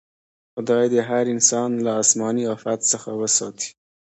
خدای دې هر انسان له اسماني افت څخه وساتي.